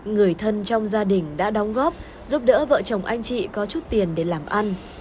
người thân trong gia đình đã đóng góp giúp đỡ vợ chồng anh chị có chút tiền để làm ăn